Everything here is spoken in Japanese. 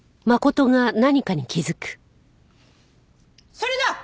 それだ！